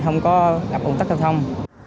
không có gặp ủng tắc giao thông